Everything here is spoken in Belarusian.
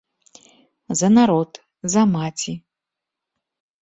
За народ, за маці.